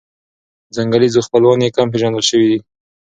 ځنګلي خپلوان یې کم پېژندل شوي دي.